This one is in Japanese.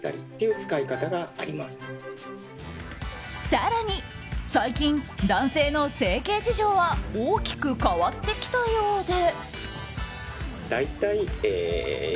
更に最近、男性の整形事情は大きく変わってきたようで。